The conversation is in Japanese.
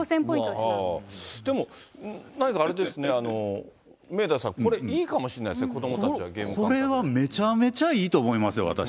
でも、何かあれですね、明大さん、これ、いいかもしれないですね、これはめちゃめちゃいいと思いますよ、私。